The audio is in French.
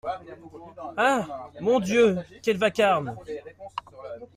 Ah ! mon Dieu ! quel vacarme !…